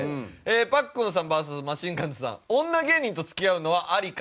パックンさんＶＳマシンガンズさん女芸人と付き合うのはアリか？